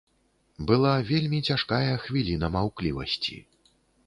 Была вельмі цяжкая хвіліна маўклівасці.